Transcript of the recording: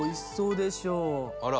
あら。